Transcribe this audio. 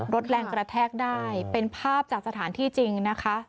รถแรงกระแทกได้เป็นภาพจากสถานที่จริงนะคะ